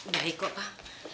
baik kok pak